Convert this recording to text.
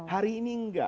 hari ini enggak